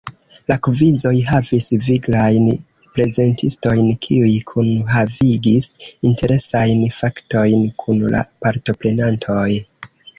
La kvizoj havis viglajn prezentistojn kiuj kunhavigis interesajn faktojn kun la partoprenantoj.